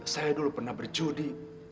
saya dulu pernah berjudi